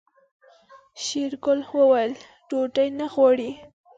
شېرګل وويل ډوډۍ نه غواړي.